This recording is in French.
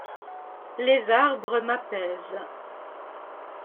Les arbres m’apaisent.